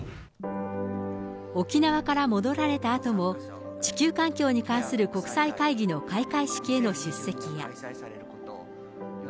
沖縄から戻られたあとも、地球環境に関する国際会議の開会式への出席や。